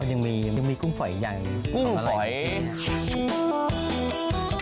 ยังมีกุ้งฝอยอย่างอะไรอย่างนี้นะครับกุ้งฝอย